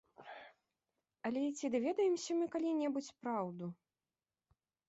Але ці даведаемся мы калі-небудзь праўду?